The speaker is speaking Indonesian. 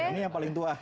ini yang paling tua